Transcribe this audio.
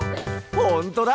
ほんとだ。